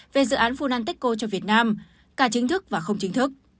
về dự án funanteko cho việt nam cả chính thức và không chính thức